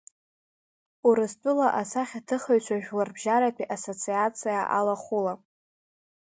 Урыстәыла асахьаҭыхыҩцәа Жәларбжьаратәи Ассоциациа алахәыла…